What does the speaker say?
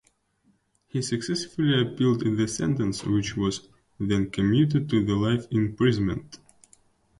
He successfully appealed the sentence which was then commuted to life imprisonment.